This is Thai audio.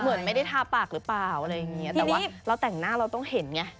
เหมือนไม่ได้ทาปากหรือเปล่าอะไรอย่างเงี้ยแต่ว่าเราแต่งหน้าเราต้องเห็นไง